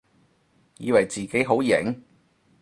以為自己好型？